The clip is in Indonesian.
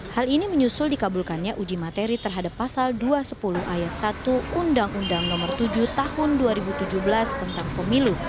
hal ini menyusul dikabulkannya uji materi terhadap pasal dua ratus sepuluh ayat satu undang undang nomor tujuh tahun dua ribu tujuh belas tentang pemilu